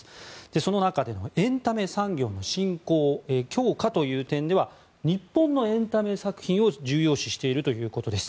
その中でのエンタメ産業の振興強化という点では日本のエンタメ作品を重要視しているということです。